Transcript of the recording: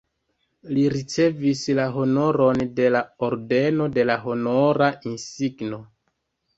Li ricevis la honoron de la Ordeno de la Honora Insigno.